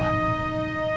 dan meninggalkan dunia hitam